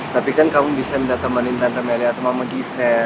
tapi kan kamu bisa minta temanin tante melia atau mama gisel